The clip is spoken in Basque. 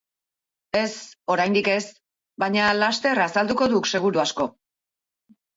Ez, oraindik ez, baina laster azalduko duk seguru asko.